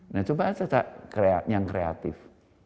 nah coba yang kreatif